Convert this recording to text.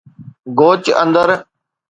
گوچ اندر